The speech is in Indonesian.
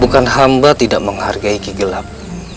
bukan hamba tidak menghargai kigelap